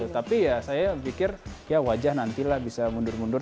tapi saya pikir wajah nantilah bisa mundur mundur